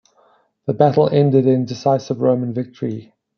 The battle ended in decisive Roman victory.